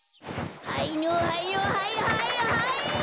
はいのはいのはいはいはい！